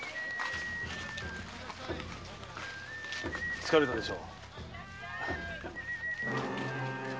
疲れたでしょう。